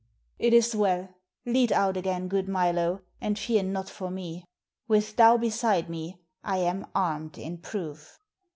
"It is well. Lead out again, good Milo, and fear not for me. With thou beside me I am armed in proof."